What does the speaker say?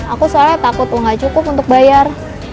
aku soalnya takut nggak cukup untuk bayar